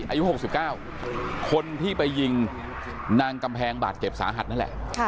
อายุ๖๙คนที่ไปยิงนางกำแพงบาดเจ็บสาหัสนั่นแหละ